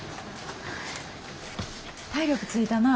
体力ついたな。